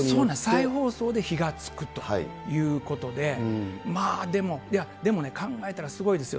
再放送で火がつくということで、まあ、でも、いやでもね、考えたらすごいですよ。